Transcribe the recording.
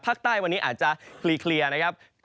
ภาคใต้วันนี้อาจจะคลีเคลียร์นะครับ